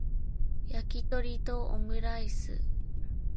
やきとりとオムライス